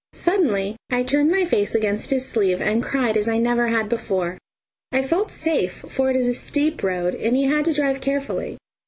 Suddenly I turned my face against his sleeve and cried as I never had before. I felt safe, for it is a steep road, and he had to drive carefully.